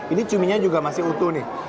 ini cuminya juga masih utuh nih